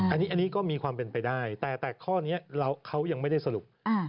อันนี้ก็มีความเป็นไปได้แต่ข้อนี้เขายังไม่ได้สรุป